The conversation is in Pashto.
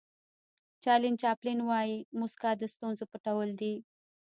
چارلي چاپلین وایي موسکا د ستونزو پټول دي.